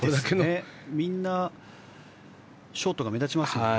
みんなショートが目立ちますからね。